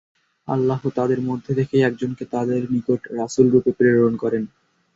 আল্লাহ তাদের মধ্য থেকেই একজনকে তাদের নিকট রাসূলরূপে প্রেরণ করেন।